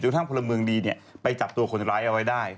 ทั้งพลเมืองดีไปจับตัวคนร้ายเอาไว้ได้